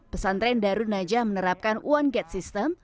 pesantren darun najah menerapkan one gate system